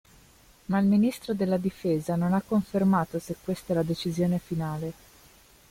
Ma il ministro della Difesa non ha confermato se questa è la decisione finale.